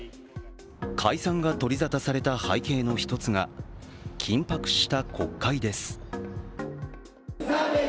解散が取りざたされた背景の１つが緊迫した国会です。